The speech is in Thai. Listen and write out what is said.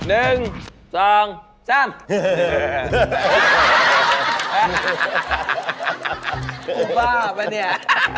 พูดบ้าปะเนี่ย